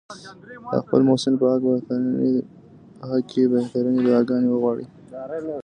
د خپل محسن په حق کې بهترینې دعاګانې وغواړي.